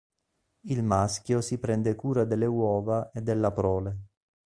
Il maschio si prende cura delle uova e della prole.